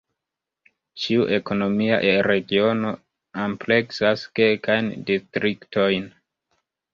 Ĉiu ekonomia regiono ampleksas kelkajn distriktojn.